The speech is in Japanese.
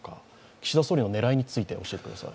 岸田総理の狙いについて教えてください。